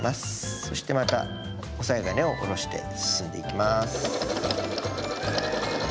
そしてまた押さえ金を下ろして進んでいきます。